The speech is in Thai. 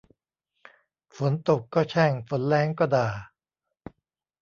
ฝนตกก็แช่ง ฝนแล้งก็ด่า